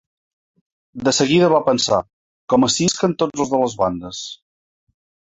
De seguida va pensar: ‘Com ací isquen tots els de les bandes…’